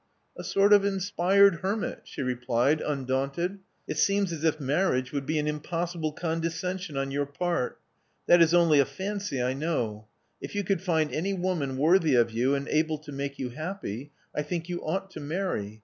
*'A sort of inspired hermit," she replied, undaunted. It seems as if marriage would be an impossible con descension on your part. That is only a fancy, I know. If you could find any woman worthy of you and able to make you happy, I think you ought to marry.